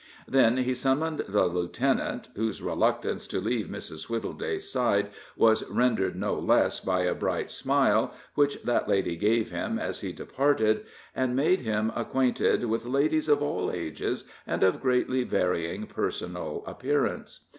Then he summoned the lieutenant (whose reluctance to leave Mrs. Wittleday's side was rendered no less by a bright smile which that lady gave him as he departed), and made him acquainted with ladies of all ages, and of greatly varying personal appearance.